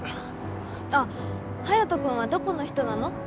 あっハヤト君はどこの人なの？